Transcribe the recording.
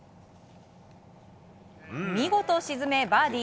見事沈め、バーディー。